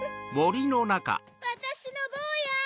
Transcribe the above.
わたしのぼうや！